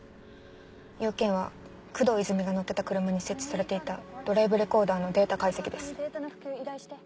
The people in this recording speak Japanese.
用件は工藤泉が乗ってた車に設置されていたドライブレコーダーのデータ解析です。